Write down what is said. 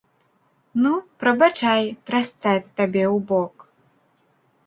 Ну, прабачай, трасца табе ў бок!